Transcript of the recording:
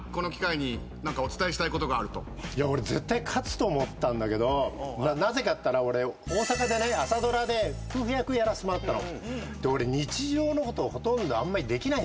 いや俺絶対勝つと思ったんだけどなぜかっていったら俺大阪でね朝ドラで夫婦役やらせてもらったの。